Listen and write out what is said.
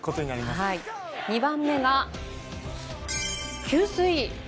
２番目が給水。